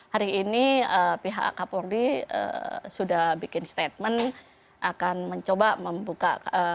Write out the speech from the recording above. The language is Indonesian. hari ini pihak kapolri sudah bikin statement akan mencoba membuka